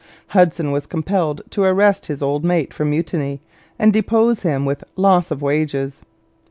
Hudson was compelled to arrest his old mate for mutiny and depose him with loss of wages.